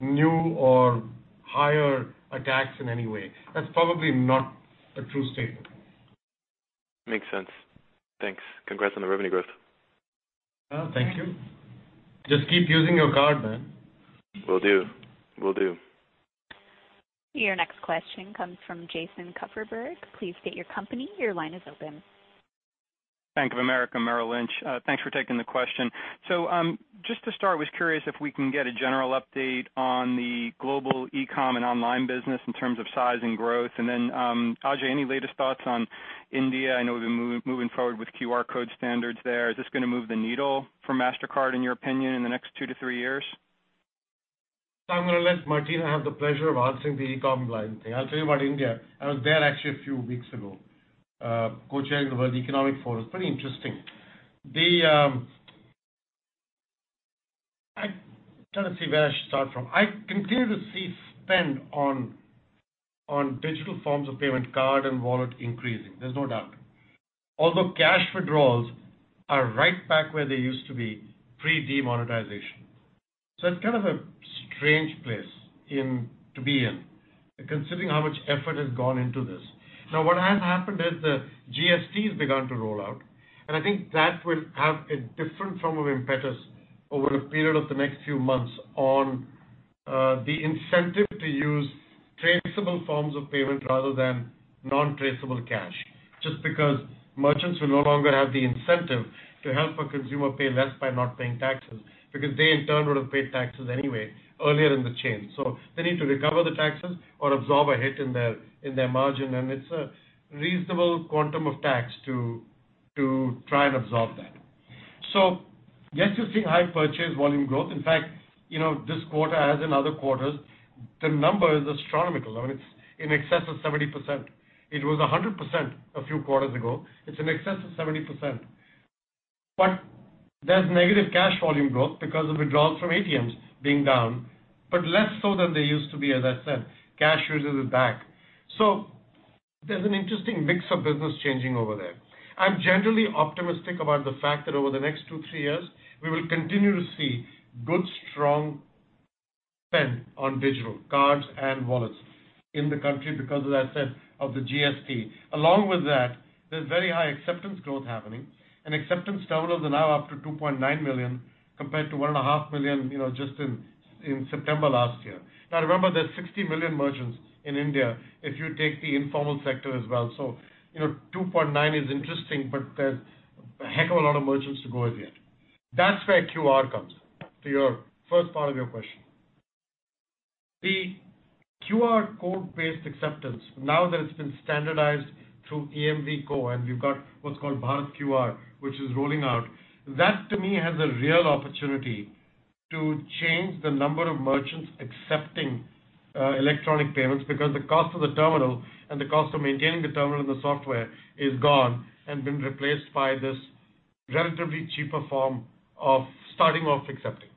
new or higher attacks in any way. That's probably not a true statement. Makes sense. Thanks. Congrats on the revenue growth. Oh, thank you. Just keep using your card, man. Will do. Your next question comes from Jason Kupferberg. Please state your company. Your line is open. Bank of America Merrill Lynch. Thanks for taking the question. Just to start, I was curious if we can get a general update on the global e-com and online business in terms of size and growth, and then, Ajay, any latest thoughts on India? I know we've been moving forward with QR code standards there. Is this going to move the needle for Mastercard, in your opinion, in the next two to three years? I'm going to let Martina have the pleasure of answering the e-com line thing. I'll tell you about India. I was there actually a few weeks ago. Co-chairing the World Economic Forum. It's pretty interesting. I'm trying to see where I should start from. I continue to see spend on digital forms of payment card and wallet increasing. There's no doubt. Although cash withdrawals are right back where they used to be pre-demonetization. It's kind of a strange place to be in, considering how much effort has gone into this. Now, what has happened is the GST has begun to roll out, and I think that will have a different form of impetus over a period of the next few months on the incentive to use traceable forms of payment rather than non-traceable cash, just because merchants will no longer have the incentive to help a consumer pay less by not paying taxes because they in turn would have paid taxes anyway earlier in the chain. They need to recover the taxes or absorb a hit in their margin and it's a reasonable quantum of tax to try and absorb that. Yes, you're seeing high purchase volume growth. In fact, this quarter as in other quarters, the number is astronomical. I mean, it's in excess of 70%. It was 100% a few quarters ago. It's in excess of 70%, there's negative cash volume growth because of withdrawals from ATMs being down, but less so than they used to be, as I said. Cash usage is back. There's an interesting mix of business changing over there. I'm generally optimistic about the fact that over the next two, three years, we will continue to see good, strong spend on digital cards and wallets in the country because, as I said, of the GST. Along with that, there's very high acceptance growth happening and acceptance terminals are now up to 2.9 million compared to 1.5 million just in September last year. Now remember, there's 60 million merchants in India if you take the informal sector as well. 2.9 is interesting, but there's a heck of a lot of merchants to go with yet. That's where QR comes in. To your first part of your question. The QR code-based acceptance, now that it's been standardized through EMVCo, and you've got what's called BharatQR, which is rolling out. That to me, has a real opportunity to change the number of merchants accepting electronic payments because the cost of the terminal and the cost of maintaining the terminal and the software is gone and been replaced by this relatively cheaper form of starting off accepting.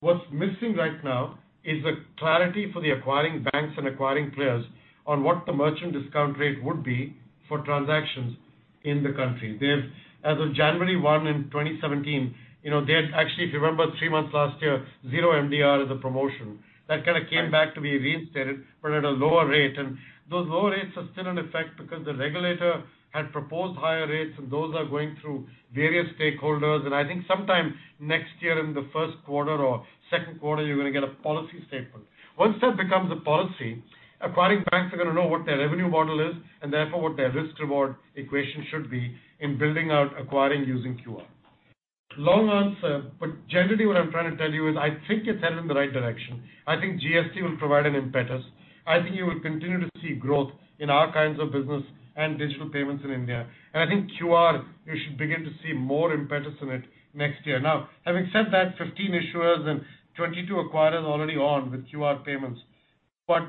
What's missing right now is the clarity for the acquiring banks and acquiring players on what the merchant discount rate would be for transactions in the country. As of January 1 in 2017, they had actually, if you remember three months last year, zero MDR as a promotion. That came back to be reinstated, but at a lower rate. Those lower rates are still in effect because the regulator had proposed higher rates, and those are going through various stakeholders, and I think sometime next year in the first quarter or second quarter, you're going to get a policy statement. Once that becomes a policy, acquiring banks are going to know what their revenue model is and therefore what their risk reward equation should be in building out acquiring using QR. Long answer, but generally what I'm trying to tell you is I think it's headed in the right direction. I think GST will provide an impetus. I think you will continue to see growth in our kinds of business and digital payments in India. I think QR, you should begin to see more impetus in it next year. Now, having said that, 15 issuers and 22 acquirers already on with QR payments, but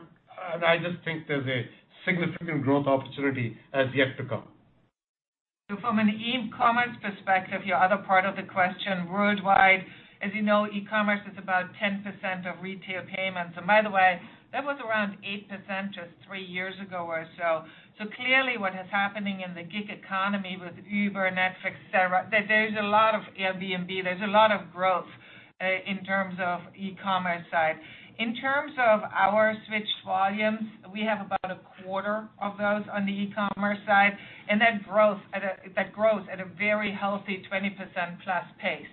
I just think there's a significant growth opportunity as yet to come. From an e-commerce perspective, your other part of the question worldwide, as you know, e-commerce is about 10% of retail payments. By the way, that was around 8% just three years ago or so. Clearly what is happening in the gig economy with Uber and Netflix, et cetera, there's a lot of Airbnb, there's a lot of growth in terms of e-commerce side. In terms of our switch volumes, we have about a quarter of those on the e-commerce side, and that growth at a very healthy 20% plus pace.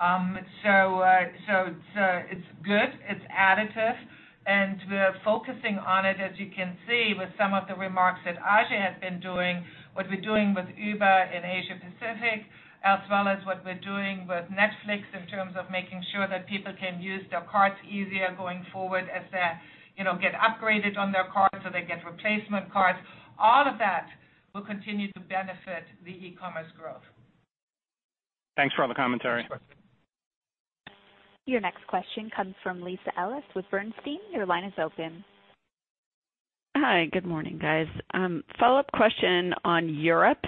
It's good, it's additive, and we're focusing on it, as you can see with some of the remarks that Ajay has been doing, what we're doing with Uber in Asia-Pacific as well as what we're doing with Netflix in terms of making sure that people can use their cards easier going forward as they get upgraded on their cards or they get replacement cards. All of that will continue to benefit the e-commerce growth. Thanks for all the commentary. Sure. Your next question comes from Lisa Ellis with Bernstein. Your line is open. Hi. Good morning, guys. Follow-up question on Europe.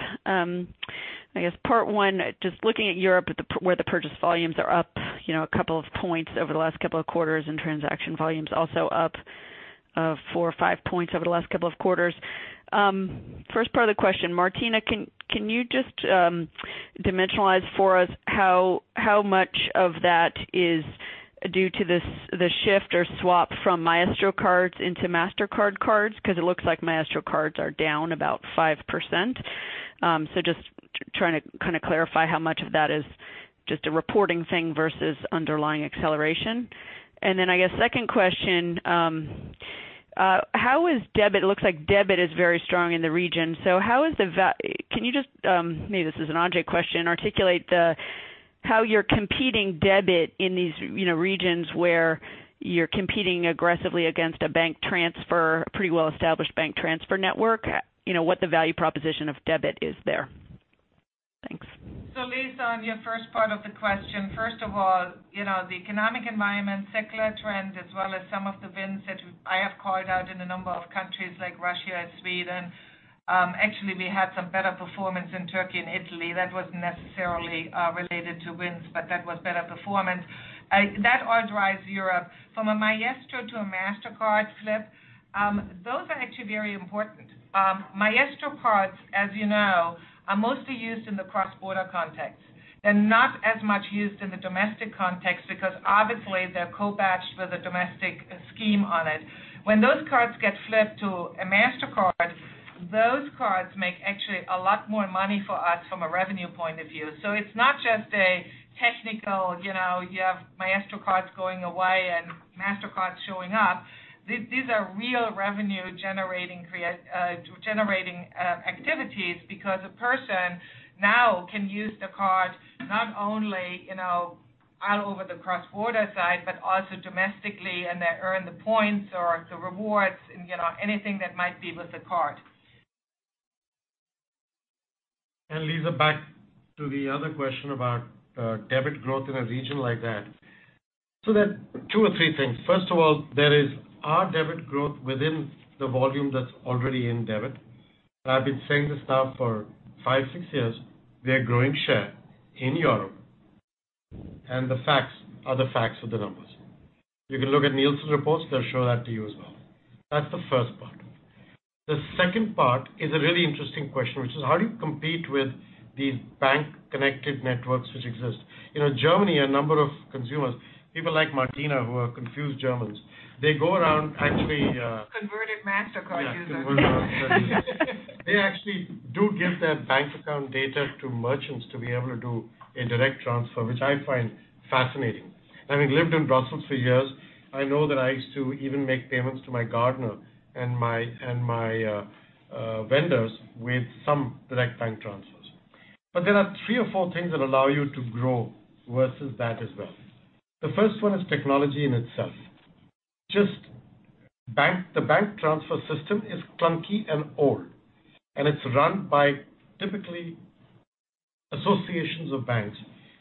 I guess part one, just looking at Europe where the purchase volumes are up a couple of points over the last couple of quarters and transaction volumes also up four or five points over the last couple of quarters. First part of the question, Martina, can you just dimensionalize for us how much of that is due to the shift or swap from Maestro cards into Mastercard cards? Because it looks like Maestro cards are down about 5%. Just trying to clarify how much of that is just a reporting thing versus underlying acceleration. I guess second question, it looks like debit is very strong in the region. Maybe this is an Ajay question, articulate how you're competing debit in these regions where you're competing aggressively against a pretty well-established bank transfer network. What the value proposition of debit is there. Thanks. Lisa, on your first part of the question, first of all the economic environment, secular trend as well as some of the wins that I have called out in a number of countries like Russia and Sweden. Actually, we had some better performance in Turkey and Italy that wasn't necessarily related to wins, but that was better performance. That all drives Europe. From a Maestro to a Mastercard flip, those are actually very important. Maestro cards, as you know, are mostly used in the cross-border context. They're not as much used in the domestic context because obviously they're co-badged with a domestic scheme on it. When those cards get flipped to a Mastercard, those cards make actually a lot more money for us from a revenue point of view. It's not just a technical, you have Maestro cards going away and Mastercards showing up. These are real revenue-generating activities because a person now can use the card not only all over the cross-border side, but also domestically, and they earn the points or the rewards and anything that might be with the card. Lisa, back to the other question about debit growth in a region like that. There are two or three things. First of all, there is our debit growth within the volume that's already in debit. I've been saying this now for five, six years. We are growing share in Europe, the facts are the facts of the numbers. You can look at Nilson's reports, they'll show that to you as well. That's the first part. The second part is a really interesting question, which is how do you compete with these bank-connected networks which exist? In Germany, a number of consumers, people like Martina who are confused Germans, they go around actually. Converted Mastercard users. Yeah, converted. They actually do give their bank account data to merchants to be able to do a direct transfer, which I find fascinating. Having lived in Brussels for years, I know that I used to even make payments to my gardener and my vendors with some direct bank transfers. There are three or four things that allow you to grow versus that as well. The first one is technology in itself. Just the bank transfer system is clunky and old, and it's run by typically associations of banks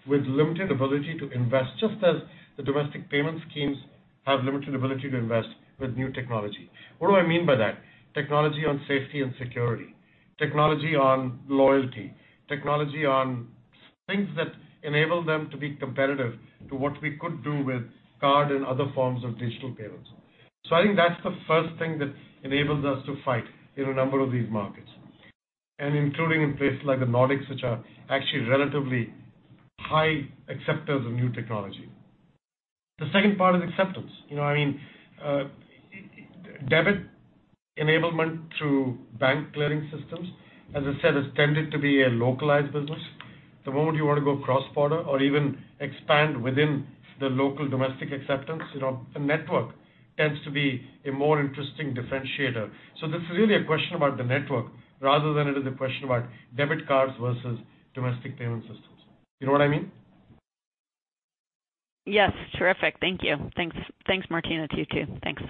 with limited ability to invest, just as the domestic payment schemes have limited ability to invest with new technology. What do I mean by that? Technology on safety and security, technology on loyalty, technology on things that enable them to be competitive to what we could do with card and other forms of digital payments. I think that's the first thing that enables us to fight in a number of these markets. Including in places like the Nordics, which are actually relatively high acceptors of new technology. The second part is acceptance. Debit enablement through bank clearing systems, as I said, has tended to be a localized business. The moment you want to go cross-border or even expand within the local domestic acceptance, a network tends to be a more interesting differentiator. This is really a question about the network rather than it is a question about debit cards versus domestic payment systems. You know what I mean? Yes. Terrific. Thank you. Thanks, Martina, to you too. Thanks.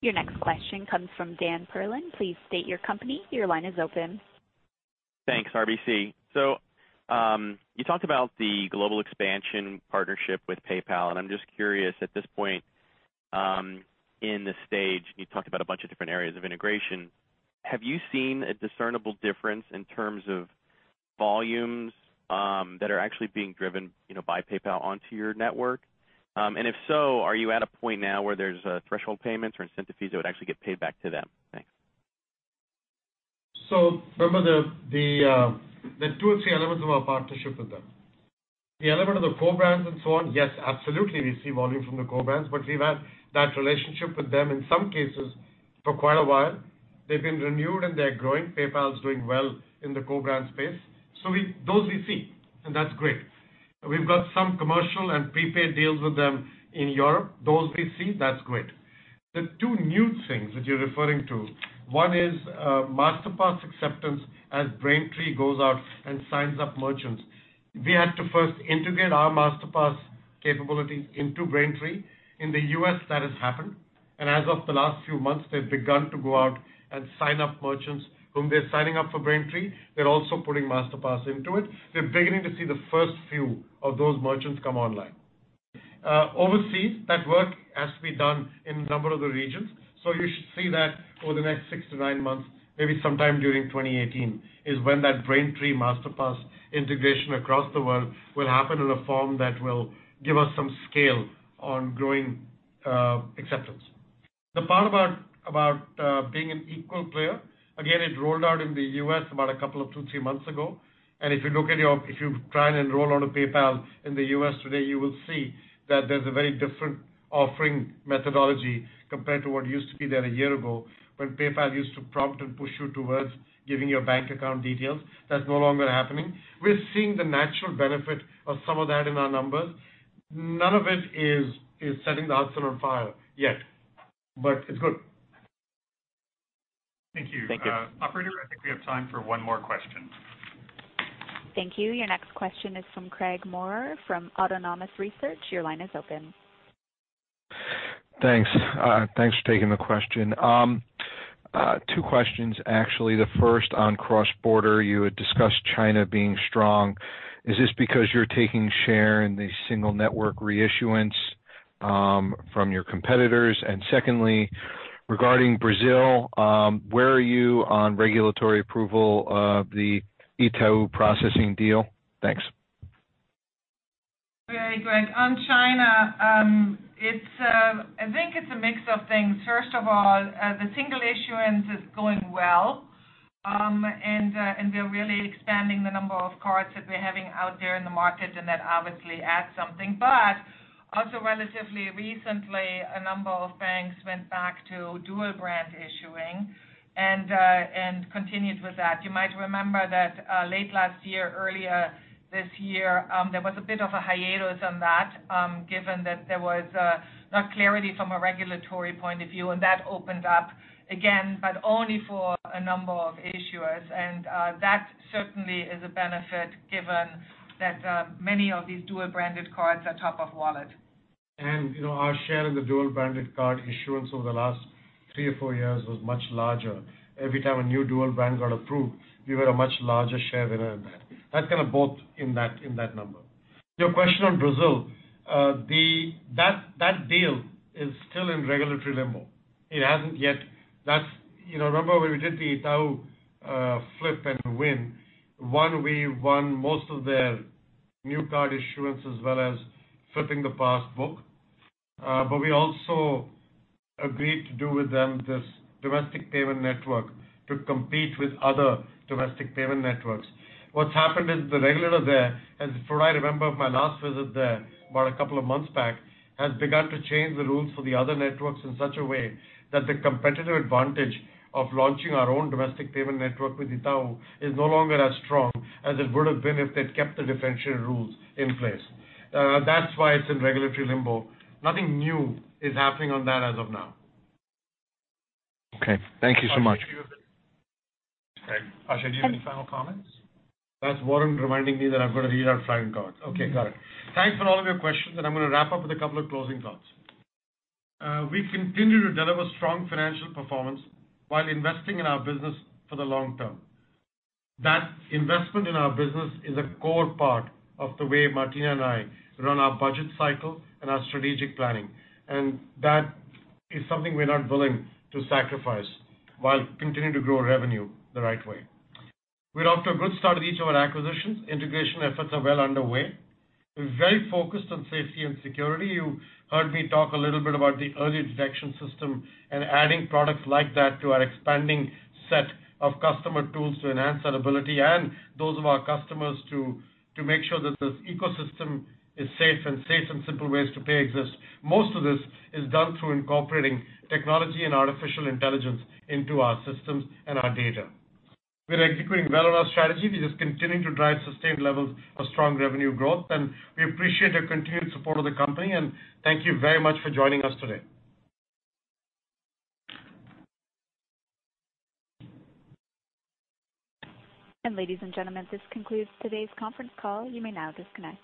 Your next question comes from Daniel Perlin. Please state your company. Your line is open. Thanks. RBC. You talked about the global expansion partnership with PayPal, I'm just curious at this point in the stage, you talked about a bunch of different areas of integration. Have you seen a discernible difference in terms of volumes that are actually being driven by PayPal onto your network? If so, are you at a point now where there's threshold payments or incentive fees that would actually get paid back to them? Thanks. Remember there are two or three elements of our partnership with them. The element of the co-brands and so on, yes, absolutely we see volume from the co-brands, but we've had that relationship with them in some cases for quite a while. They've been renewed and they're growing. PayPal's doing well in the co-brand space. Those we see, that's great. We've got some commercial and prepaid deals with them in Europe. Those we see, that's great. The two new things that you're referring to, one is Masterpass acceptance as Braintree goes out and signs up merchants. We had to first integrate our Masterpass capability into Braintree. In the U.S. that has happened, as of the last few months, they've begun to go out and sign up merchants whom they're signing up for Braintree. They're also putting Masterpass into it. They're beginning to see the first few of those merchants come online. Overseas, that work has to be done in a number of the regions. You should see that over the next six to nine months, maybe sometime during 2018, is when that Braintree Masterpass integration across the world will happen in a form that will give us some scale on growing acceptance. The part about being an equal player, again, it rolled out in the U.S. about a couple of two, three months ago. If you try and enroll on a PayPal in the U.S. today, you will see that there's a very different offering methodology compared to what used to be there a year ago, when PayPal used to prompt and push you towards giving your bank account details. That's no longer happening. We're seeing the natural benefit of some of that in our numbers. None of it is setting the Hudson on fire yet, but it's good. Thank you. Thank you. Operator, I think we have time for one more question. Thank you. Your next question is from Craig Maurer from Autonomous Research. Your line is open. Thanks. Thanks for taking the question. Two questions, actually. The first on cross-border, you had discussed China being strong. Is this because you're taking share in the single network reissuance from your competitors? Secondly, regarding Brazil, where are you on regulatory approval of the Itaú processing deal? Thanks. Great, Craig. On China, I think it's a mix of things. First of all, the single issuance is going well, and we're really expanding the number of cards that we're having out there in the market, and that obviously adds something. Also relatively recently, a number of banks went back to dual-brand issuing and continued with that. You might remember that late last year, earlier this year, there was a bit of a hiatus on that, given that there was not clarity from a regulatory point of view, and that opened up again, but only for a number of issuers. That certainly is a benefit given that many of these dual-branded cards are top of wallet. Our share of the dual-branded card issuance over the last three or four years was much larger. Every time a new dual brand got approved, we had a much larger share winner in that. That's kind of both in that number. Your question on Brazil, that deal is still in regulatory limbo. Remember when we did the Itaú flip and win? One, we won most of their new card issuance as well as flipping the passbook. We also agreed to do with them this domestic payment network to compete with other domestic payment networks. What's happened is the regulator there, as for I remember of my last visit there, about a couple of months back, has begun to change the rules for the other networks in such a way that the competitive advantage of launching our own domestic payment network with Itaú is no longer as strong as it would have been if they'd kept the differentiated rules in place. That's why it's in regulatory limbo. Nothing new is happening on that as of now. Okay. Thank you so much. Ajay, do you have any final comments? That's Warren reminding me that I've got to read our final comments. Okay, got it. Thanks for all of your questions. I'm going to wrap up with a couple of closing thoughts. We continue to deliver strong financial performance while investing in our business for the long term. That investment in our business is a core part of the way Martina and I run our budget cycle and our strategic planning. That is something we're not willing to sacrifice while continuing to grow revenue the right way. We're off to a good start with each of our acquisitions. Integration efforts are well underway. We're very focused on safety and security. You heard me talk a little bit about the Early Detection System and adding products like that to our expanding set of customer tools to enhance that ability and those of our customers to make sure that this ecosystem is safe and simple ways to pay exist. Most of this is done through incorporating technology and artificial intelligence into our systems and our data. We're executing well on our strategy. We're just continuing to drive sustained levels of strong revenue growth. We appreciate your continued support of the company, and thank you very much for joining us today. Ladies and gentlemen, this concludes today's conference call. You may now disconnect.